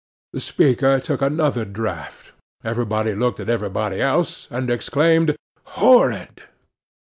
The speaker took another draught, everybody looked at everybody else, and exclaimed, 'Horrid!